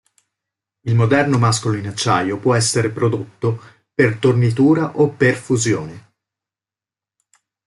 Il moderno mascolo in acciaio può essere prodotto per tornitura o per fusione.